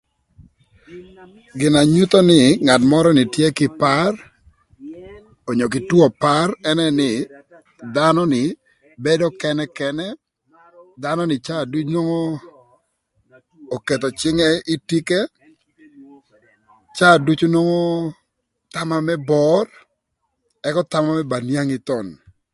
Gin na nyutho nï ngat mörö ni tye kï par, onyo kï two par ënë nï dhanö ni bedo kënëkënë, dhanö ni caa ducu oketho cïngë ï tike, caa ducu nwongo thama mërë bor ëka thama mërë ba niangi